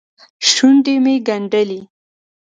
شونډې مې ګنډلې.